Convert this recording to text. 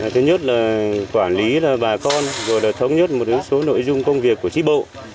thứ nhất là quản lý bà con rồi là thống nhất một số nội dung công việc của trí bộ